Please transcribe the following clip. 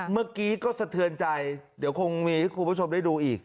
เมื่อกี้ก็สะเทือนใจเดี๋ยวคงมีให้คุณผู้ชมได้ดูอีก